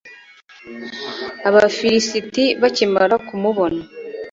abafilisiti bakimara kumubona